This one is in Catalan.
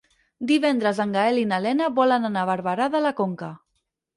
Divendres en Gaël i na Lena volen anar a Barberà de la Conca.